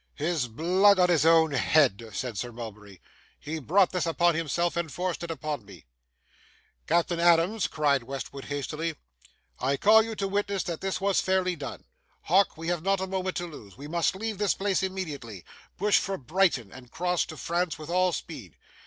'His blood on his own head,' said Sir Mulberry. 'He brought this upon himself, and forced it upon me.' 'Captain Adams,' cried Westwood, hastily, 'I call you to witness that this was fairly done. Hawk, we have not a moment to lose. We must leave this place immediately, push for Brighton, and cross to France with all speed.